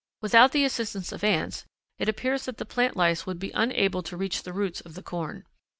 Without the assistance of ants, it appears that the plant lice would be unable to reach the roots of the corn.